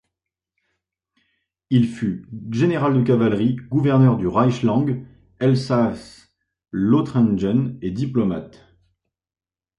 Il fut général de cavalerie, gouverneur du Reichsland Elsaß-Lothringen et diplomate.